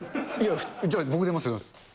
じゃあ、僕出ますよ。